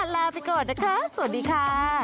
ลาไปก่อนนะคะสวัสดีค่ะ